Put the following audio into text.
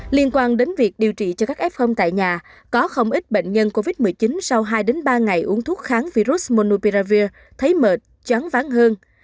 liên quan đến việc điều trị cho các f tại nhà có không ít bệnh nhân covid một mươi chín sau hai ba ngày uống thuốc kháng virus monoupiravir thấy mệt chóng ván hơn